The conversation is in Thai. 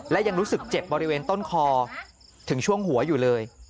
และยังรู้สึกเจ็บบริเวณต้นคอถึงช่วงหัวอยู่เลย